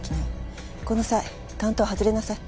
この際担当外れなさい。